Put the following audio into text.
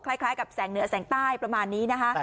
คล้ายกับแสงเหนือแสงใต้ประมาณนี้นะคะ